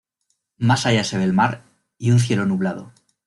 Más allá se ve el mar y un cielo nublado.